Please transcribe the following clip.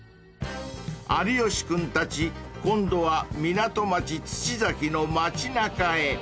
［有吉君たち今度は港町土崎の町中へ］